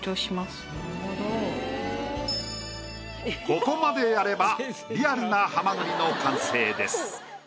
ここまでやればリアルなはまぐりの完成です。